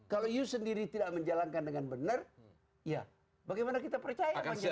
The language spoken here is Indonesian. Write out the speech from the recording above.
kalau you sendiri tidak menjalankan dengan benar ya bagaimana kita percaya